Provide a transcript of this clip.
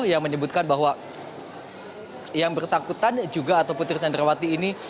yang menyebutkan bahwa yang bersangkutan juga atau putri candrawati ini